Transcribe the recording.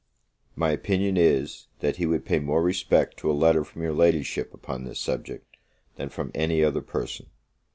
My opinion is, that he would pay more respect to a letter from your Ladyship upon this subject, than from any other person.